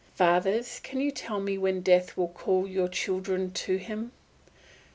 Fathers, can you tell when death will call your children to him?